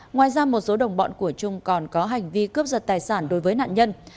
ngoài ra một số đồng bọn của trung còn có hành vi cướp giật tài sản đối với nạn nhân